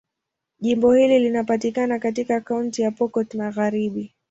Jimbo hili linapatikana katika Kaunti ya Pokot Magharibi.